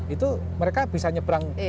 itu mereka bisa nyebrang